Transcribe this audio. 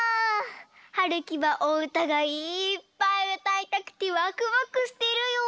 はるきはおうたがいっぱいうたいたくてワクワクしてるよ。